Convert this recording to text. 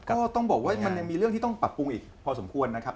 ก็ต้องบอกว่ามันยังมีเรื่องที่ต้องปรับปรุงอีกพอสมควรนะครับ